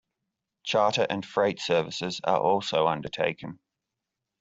Charter and freight services are also undertaken.